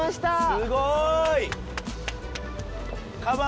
すごい。